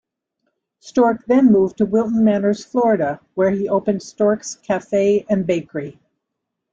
Stork then moved to Wilton Manors, Florida; where he opened Stork's Cafe and Bakery.